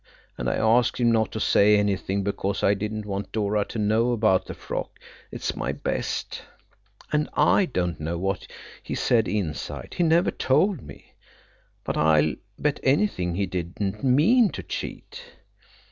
And I asked him not to say anything because I didn't want Dora to know about the frock–it's my best. And I don't know what he said inside. He never told me. But I'll bet anything he didn't mean to cheat."